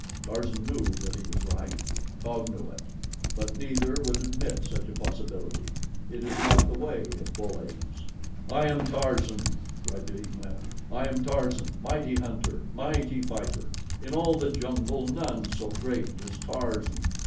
Tarzan knew that he was right. Taug knew it; but neither would admit such a possibility. It is not the way of bull apes. "I am Tarzan," cried the ape man. "I am Tarzan. Mighty hunter; mighty fighter. In all the jungle none so great as Tarzan."